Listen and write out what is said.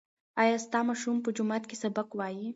ایا ستا ماشوم په جومات کې سبق وایي؟